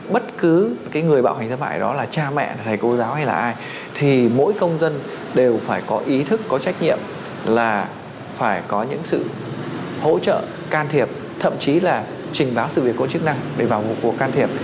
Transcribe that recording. bất cứ người bạo hành gia thoại đó là cha mẹ thầy cô giáo hay là ai thì mỗi công dân đều phải có ý thức có trách nhiệm là phải có những sự hỗ trợ can thiệp thậm chí là trình báo sự việc có chức năng để vào một cuộc can thiệp